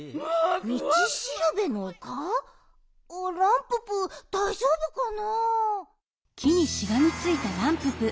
ランププだいじょうぶかな？